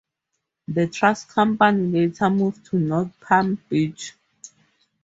The trust company later moved to North Palm Beach.